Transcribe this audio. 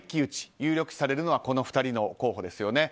有力視されるのはこの２人の候補です。